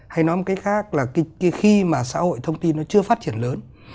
hay nói một cách khác là khi mà xã hội thông tin nó chưa phát triển lớn